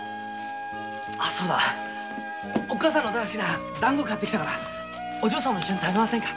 あそうだおっかさんの大好きな団子を買ってきたからお嬢さんも一緒に食べませんか。